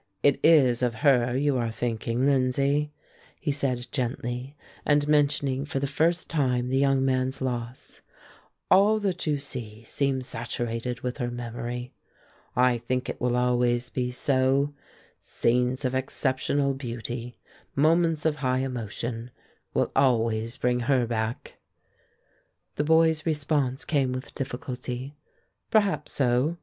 "It is of her you are thinking, Lindsay," he said, gently, and mentioning for the first time the young man's loss. "All that you see seems saturated with her memory. I think it will always be so scenes of exceptional beauty, moments of high emotion, will always bring her back." The boy's response came with difficulty: "Perhaps so.